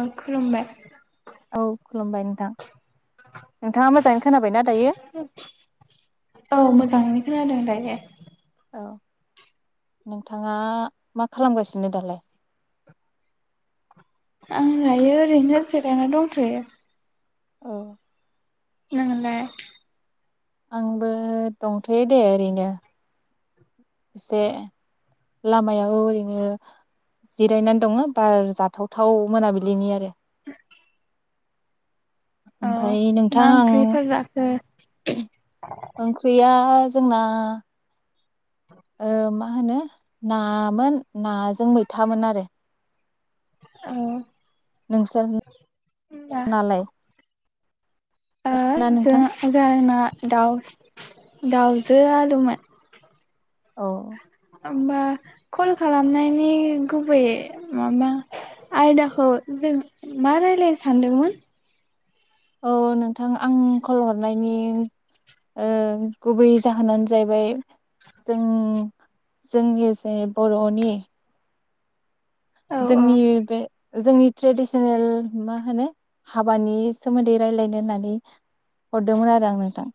औ खुलुमबाय। औ खुलुमबाय नोंथां नोंथाङा मोजाङै खोनाबायना दायो? खोना दों दायो। औ नोंथाङा मा खालामगासिनो दालाय? आं दायो ओरैनो जिरायना दंथयो। औ। नोंलाय? आंबो दंथयो दे ओरैनो। इसे लामायाव ओरैनो जिरायनानै दङो बार जाथावथाव मोनाबिलिनि आरो। औ ओमफाय नोंथां मा आं ओंख्रिफोर जाखो ओंख्रिया जोंना ओ मा होनो नामोन नाजों मैथामोन आरो। औ। नोंसोर होनबा नालाय? ओ ना नोंथां जों जोंआ ना दाउ दाउजो आलुमोन। औ। होमबा कल खालामनायनि गुबैयै माबा आयदाखौ जों मा रायज्लायनो सानदोंमोन? औ नों नोंथां आं कल हर नायनि ओ गुबै जाहोनानो जाहैबाय जों जोंनि जे बर'नि औ औ जोंनि बे जोंनि ट्रेडिसनेल मा होनो हाबानि सोमोन्दै रायज्लायनो होननानै हरदोंमोन आरो आं नोंथां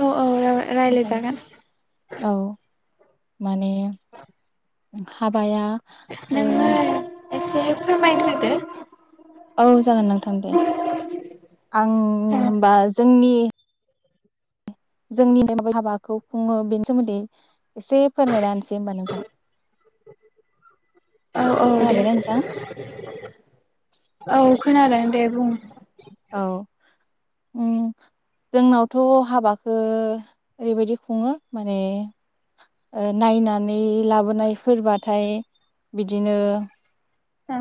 औ औ रायज्लाय ओमफ्राय जागोन औ माने हाबाया ओ नोंनो एसे फोरमायग्रोदो औ जागोन नोंथां दे आं होनबा जोंनि जोंनि [unintelligible] हाबाखौ खुङो बेनि सोमोन्दै एसे फोरमायना होनसै होनोमबा नोंथां औ औ दे खोनाबायना नोंथां? औ खोनादों दे बुं औ उम जोंनावथ हाबाखौ ओरै बायदि खुङो माने ओ नायनानै लाबोनायफोर बाथाय बिदिनो ओ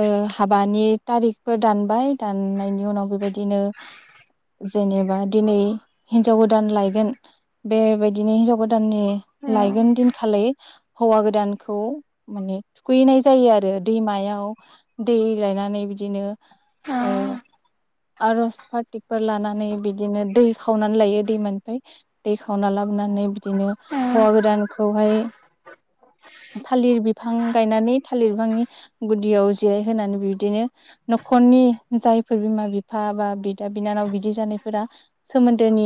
ओ हाबानि थारिखफोर दानबाय दाननायनि उनाव बेबायदिनो जेनेबा दिनै हिनजाव गोदान लायगोन बेबायदिनो हिनजाव गोदा गोदाननि लायगोन दिनखालि हौवा गोदानखौ माने थुखैनाय जायो आरो दैमायाव दै लायनानै बिदिनो ओ आरज पार्टिकफोर लानानै बिदिनो दै खावनानै लायो दैमानिफ्राय दै खावना लाबोनानै बिदिनो हौवा गोदानखौहाय थालिर बिफां गायनानै थालिर बिफांनि गुदियाव जिरायहोनानै बिदिनो नखरनि जायफोर बिमा बिफा बिफा बा बिदा बिनानाव बिदि जानायफोरा सोमोन्दोनि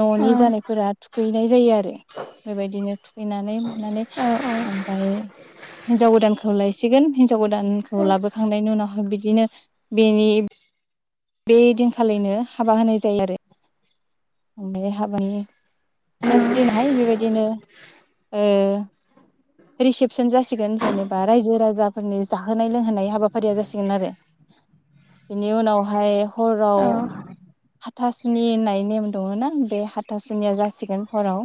ननि जानायफोरा थुखैनाय जायो आरो बेबायदिनो थुखैनानै मानानै ओमफाय हिनजाव गोदानखौ लायसिगोन हिनजाव गोदानखौ लाबोखांनायनि उनावहाय बिदिनो बेनि बे दिनखालिनो हाबा होनाय जायो आरो ओमाय हाबानि नेक्स दिनहाय बेबायदिनो ओ रिसेपसन जासिगोन जेनेबा रायजो राजाफोरनि जाहोनाय लोंहोनाय हाबाफारिया जासिगोन आरो बेनि उनावहाय हराव हाथासुनि होननाय नेम दङ ना बे हाथासुनिया जासिगोन हराव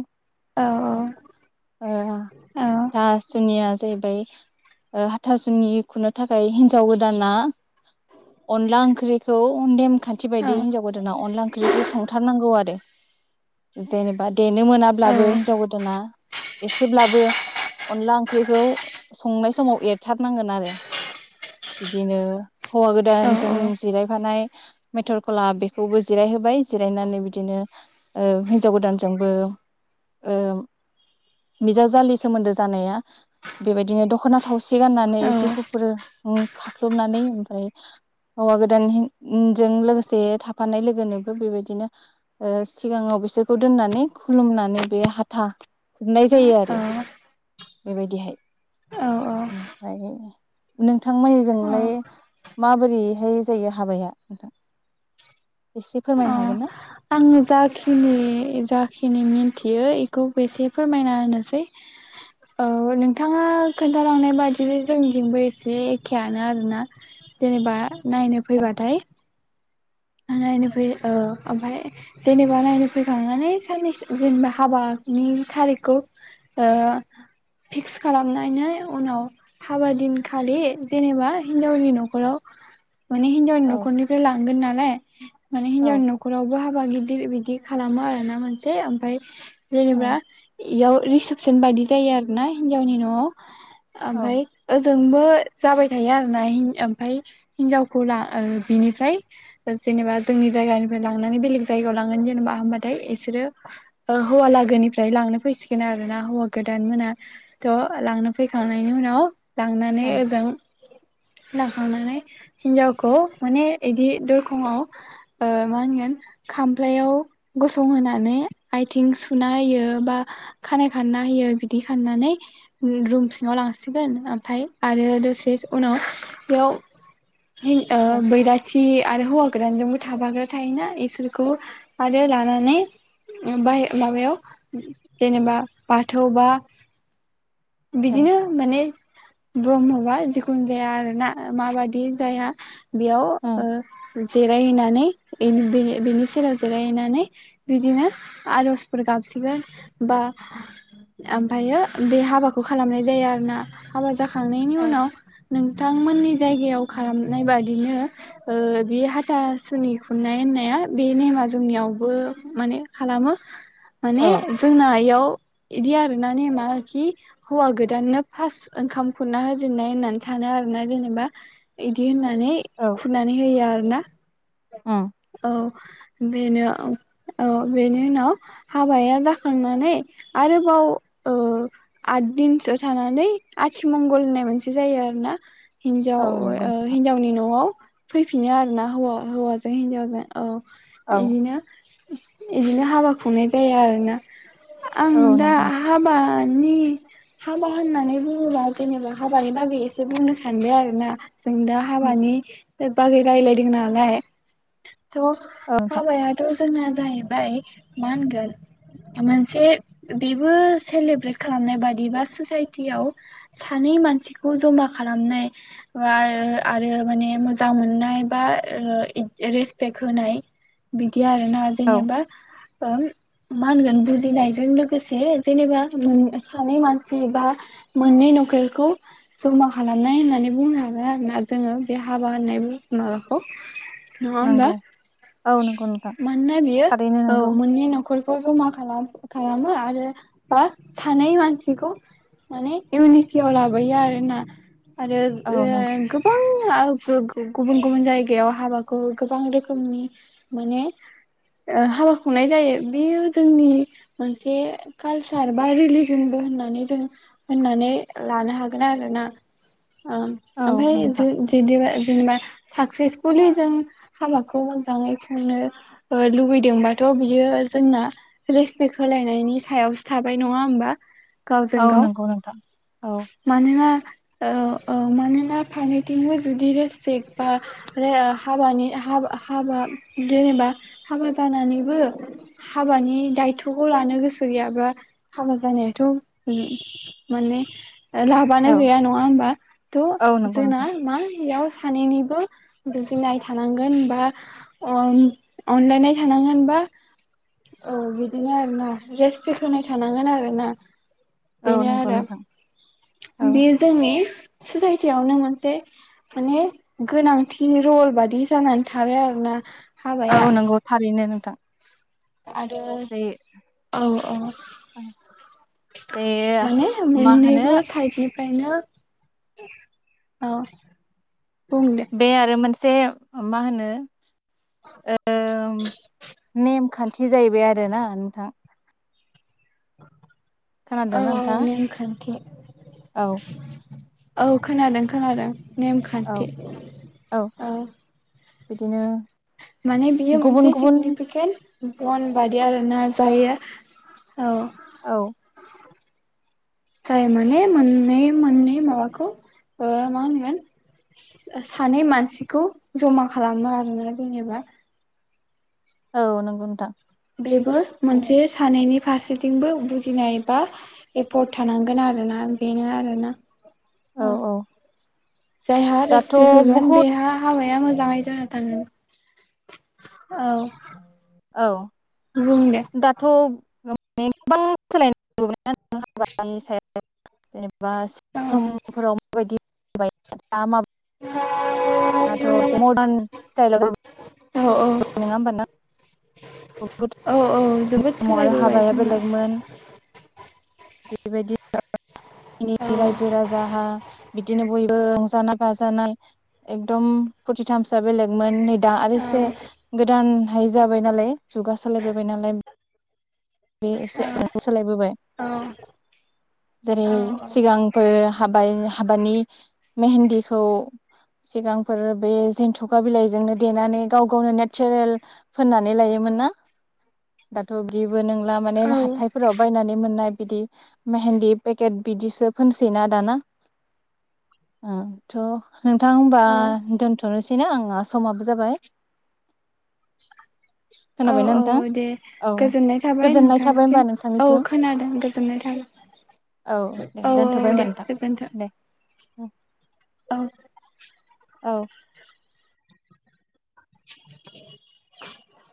ओ थासुनिया जाहैबाय हाथासुनि खुनो थाखाय हिनजाव गोदाना अनला ओंख्रिखौ नेमखान्थि बायदि हिन्जाव गोदाना अनला ओंख्रिखौ संथारनांगौ आरो जेनेबा देनो मोनाब्लाबो हिनजाव गोदाना एसेब्लाबो अनला ओंख्रिखौ संनाय समाव एरथारनांगोन आरो बिदिनो हौवा गोदानजों जिरायफानाय मेथरखला बेखौबो जिरायहोबाय जिरायनानै बिदिनो ओ हिनजाव गोदानजोंबो बिजावजालि सोमोन्दो जानाया बेबायदिनो दखना थावसि गाननानै जि गुफुर उम खाख्लुबनानै ओमफ्राय हौवा गोदानजों लोगोसे थाफानाय लोगोनोबो बेबायदिनो सिगाङाव बिसोरखौ दोननानै खुलुमनानै बे हाथा खुरनाय जायो आरो। बेबायदिहाय ओमफ्राय नोंथांमोननिजोंलाय माबोरैहाय जायो हाबाया नोंथां एसे फोरमायनो हागोन ना? आङो जाखिनि जाखिनि मिन्थियो ब इखौबो एसे फोरमायना होनोसै औ नोंथाङा खोन्थालांनाय बादि जोंनिजोंबो एसे एखेयानो आरोना जेनेबा नायनो औ फैबाथाय नायनो फै औ ओमफाय जेनेबा नायनो फैखांनानै साननैसो जेनेबा हाबानि थारिखखौ ओ फिक्स खालामनानै उनाव हाबा दिनखालि जेनेबा हिनजावनि नखराव माने हिनावनि औ नखरनिफ्राय लां गोन नालाय [inaudible] माने औ हिन्जावनि नखरावबो हाब बा गिदिर बिदि खालामो आरो ना मोनसे ओमफाय औ जेनेबा इ इयाव रिसेपसन बायदि जायो आरो ना हिन्जावनि नआव औ ओमफाय ओ जों ओमबो जाबाय थायो आरो ना हिन ओमफाय हिनजावखौ ला ओ बिनिफ्राय जेनेबा जोंनि जायगानिफ्राय लांनानै बेलेग जायगायाव लांगोन जेनेबा होमबाथाय इसोरो ओ हौवा लागोनिफ्राय लांनो फैसिगोन आरो ना हौवा गोदान मोना थ लांनो फैखांनायनि उनाव लांनानै औ ओजों लांखांनानै हिन्जावखौ माने एदि दर खंआव मा होनगोन खामफ्लायाव गसंहोनानै आइथिं सुना होयो बा खानाइ खानना होयो बिदि खाननानै रु-रुम सिङाव लांसिगोन ओमफाय आरो दसे उनाव बेयाव ओ औ बैराथि बे आरो हौवा गोदानजोंबो थाफाग्रा थायोना इसोरखौ आरो लानानै बाय माबायाव जेनेबा बाथौ बा औ बिदिनो माने ब्रह्मबा जिखुनुजाया आरोना माबादि जायहा बेयाव ओ जिरायहैनानै बेनि बेनि बेनि सेराव जिरायहैनानै बिदिनो आर'जफोर गाबसिगोन बा ओमफ्रायो बे हाबाखौ खौ खालामनाय जायो आरोना हाबा जाखांनायनि उनाव नोंथां थांमोननि जायगायाव खालामनाय बादिनो ओ बे हाथासुनि खुंनाय होननाया बे नेमा जोंनियावबो माने खालामो। माने जोंना एयाव इदि आरोना नेमा खि हौवा गोदाननो फार्स्ट ओंखाम खुरना होजेननाय होननानै सानो आरो ना जेनेबा इदि होननानै माने औ खुरनानै होयो आर ना उम। बेनो औ बेनि उनाव हाबाया जाखांनानै आरोबाव ओ आद दिनसो थानानै आथिमंगल होननाय मोनसे जायो आरोना। हिन्जाव औ नंगौ ओ हिन्जावनि न'आव। फैफिनो आरो ना हौवा हौवाजों हिन्जावजों। औ औ इदिनो इदिनो हाबा खुंनाय जाया आरोना। आं औ दा नंगौ नोंथां हाबा नि हाबा होननानै बुङोबा जेनेबा हाबानि बागै एसे बुंनो सानबाय आरोना। जों दा हाबानि बागै रायलायदों नालाय। थ' औ नोंथां हाबायाथ' जोंना जाहैबाय मा होनगोन मोनसे बेबो सेलेब्रेट खालामनाय बाद एबा ससाइटियाव सानै मानसिखौ जमा खालामनाय बा आरो आरो माने मोजां मोननाय बा ओ रो रेसपेक्ट होनाय बि दि आरो ना औ जेनेबा। ओम मा होनगोन बुजिनायजों लोगोसे जेनेबा मोन सानै मानसि बा मोननै न'खरखौ जमा खालामनाय होननानै बुंनो हागोन आरो ना जोङो बे हाबा होननाय माबाखौ नङा होमबा नंगौ औ नंगौ नोंथां मानोना बियो थारैनो औ नंगौ मोननै न'खरखौ जमा खालाम खालामो आरो बा [unintelligible] सानै मानसिखौ माने इउनिटिआव लाबोयो आरो ना। आरो औ ओ नंगौ गोबां आव गु-गु-गुबुन गुबुन जायगायाव हाबाखौ गोबां रोखोमनि माने ओ हाबा खुंनाय जायो बेयो जोंनि मोनसे कालचार बा रिलि जोंबो होननानै जों होननानै लानो हागोन आरो ना। ओं औ ओमफाय जो नोंथां जोदिबा जेनबा साक्सेसफुलि जों हाबाखौ मोजाङै खुंनो ओ लुुबैदोंबाथ' बियो जोंना रेसपेक्ट होलायनायनि सायावसो थाबाय नङा होमबा? गावजों औ गाव नंगौ नोंथां औ मानोना औ औ मानोना फारनैथिंबो जुदि रेसपेक्ट बा रे ओ हाबानि हाबा हाबा जेनेबा हाबा जानानैबो हाबानि दायथ'खौ लानो गोसो गैयाबा हाबा जानाया थु उम माने औ लाबानो गैया नङा होनबा थ औ नंगौ जोंना नोंथां मा याव सानैनिबो बुजिनाय थानांगोन बा अन अनलायनाय थानांगोन बा औ बिदिनो आरो ना रेसपेक्ट होनाय थानांगोन आरो ना औ बेनो नंगौ आरो नोंथां औ बेयो जोंनि ससायटियावनो मोनसे माने गोनांथि रल बादि जानानै थाबाय आरोना। हाबाया औ नंगौ थारैनो नों था आरो औ औ जे माने मा होनो मोननैबो साइडनि फ्रायनो औ बुं दे बे आरो मोनसे मा होनो ओम नेमखान्थि बिदि जाहैबाय आरो ना नोंथां। [unintelligible] औ खोनादोंना औ नोंथाङा नेम खान्थि औ औ खोनादों खोनादों औ नेमखान्थि औ बिदिनो माने बियो गुबुन मोनसे गुबुन सिगनिफिकेन्ट बन बादि आरोना जायो औ। औ। जाय माने मोननै मोननै माबाखौ ओ मा होनगोन सानै मानसिखौ जमा खालामो आरोना जेनेबा। औ नंगौ नोंथां। बेबो मोनसे औ सानैनि फारसेथिंबो बुजिनायबा एपर्द थानांगोन आरोना बेनो आरोना। औ औ। जायहा दाथ' रेसपेक्ट होगोन बहुद बेहा हाबाया मोजाङै जाना थाङो। औ। औ। बुं दे दाथ नै गोबां सोलायनाय [unintelligible] बा औ समफोराव [inaudible] दाथ एसे मर्दान स्टेलाव जाबाय औ औ [unintelligible] नङा होमबाना [inaudible] औ औ जोबोद समाव आरो सोलायबोबाय हाबाया जोंना बेलेगमोन। बेबायदि [inaudible] नि औ रायजो राजाहा बिदिनो बयबो रंजानाय बाजानाय एकदम फुरथिथामसआ बेलेगमोन नै आ आरो औ एसे गोदानहाय जाबाय नालाय। जुगा सालायबोबाय नालाय। बे एसे [inaudible] सोलायबोबाय औ जेरै सिगांफोर हाबाय हाबानि मेहेन्दिखौ सिगांफोर बे जेन्थुखा बिलाइजोंनो देनानै गाव गावनो नेचारेल फोननानै लायोमोन ना दाथ बिदि बो नंला माने औ हाथायफोराव बायनानै मोननाय बिदि मेहेन्दि पेकेट बिदिसो फोनसैना दाना ओ थ नोंथां होमबा औ औ दोनथनोसै [unintelligible] आंहा समाबो जाबाय। औ खोनाबायना औ नोंथां दे औ गोजोननाय थाबाय गोजोननाय थाबाय होमबा नोंथांसिम औ नोंथांनिसिम खोनादों गोजोननाय औ थाबाय औ औ दे गोजोन्थों। उम। औ। औ। [inaudible]